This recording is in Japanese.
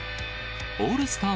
オールスター